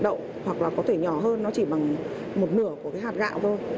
đậu hoặc là có thể nhỏ hơn nó chỉ bằng một nửa của cái hạt gạo thôi